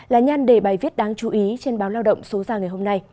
là nhan đề bài viết đáng chú ý trên báo lao động